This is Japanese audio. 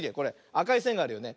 あかいせんがあるよね。